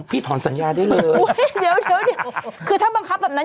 พี่ถอนสัญญาได้เลยอุ้ยเดี๋ยวเดี๋ยวเดี๋ยวคือถ้าบังคับแบบนั้น